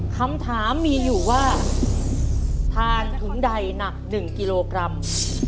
คำถามมีอยู่ว่าทานถุงใดหนัก๑กิโลกรัม